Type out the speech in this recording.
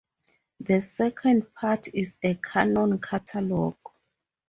The second part is a canon catalogue.